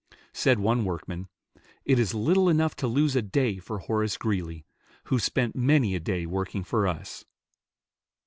Said one workman, "It is little enough to lose a day for Horace Greeley, who spent many a day working for us."